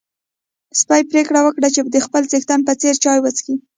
سپی پرېکړه وکړه چې د خپل څښتن په څېر چای وڅښي.